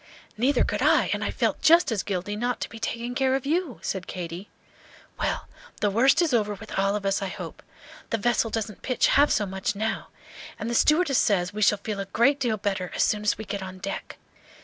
"Neither could I, and I felt just as guilty not to be taking care of you," said Katy. "Well, the worst is over with all of us, I hope. The vessel doesn't pitch half so much now, and the stewardess says we shall feel a great deal better as soon as we get on deck.